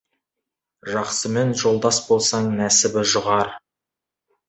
Жақсымен жолдас болсаң, нәсібі жұғар.